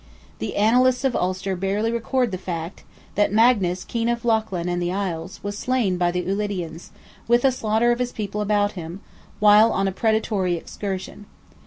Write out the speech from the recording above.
The annalists of Ulster barely record the fact, that "Magnus, King of Lochlan and the Isles, was slain by the Ulidians, with a slaughter of his people about him, while on a predatory excursion."